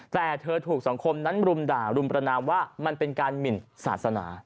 แต่เธอถูกสังคมนั้นรุมด่ารุมประนามว่ามันเป็นการหมินศาสนา